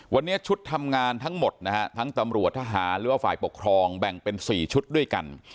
วันนี้ชุดทำงานทั้งหมดนะฮะทั้งตำรวจทหารหรือว่าฝ่ายปกครองแบ่งเป็น๔ชุดด้วยกัน